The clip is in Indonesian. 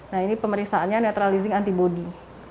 nah ini pemeriksaannya netralizing antibody